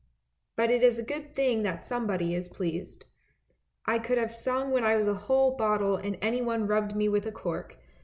But it is a good thing that somebody is pleased. I could have sung when I was a whole bottle and anyone rubbed me with a cork.